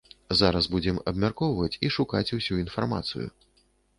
Зараз будзем абмяркоўваць і шукаць усю інфармацыю.